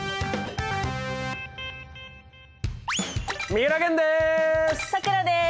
三浦玄です。